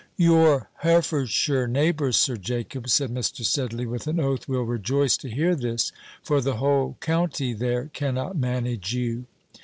"Your Herefordshire neighbours, Sir Jacob," said Mr. Sedley, with an oath, "will rejoice to hear this; for the whole county there cannot manage you."